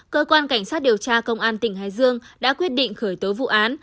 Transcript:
cơ quan cảnh sát điều tra công an tỉnh hải dương đã quyết định khởi tố vụ án